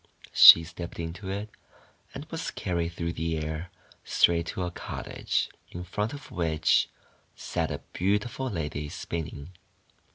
She stepped into it, and was carried through the air straight to a cottage, in front of which sat a beautiful lady spinning.